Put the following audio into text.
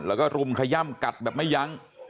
แล้วก็รุมขย่ำกัดแบบไม่ยั้ง